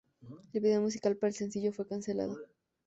El vídeo musical para el sencillo fue cancelado.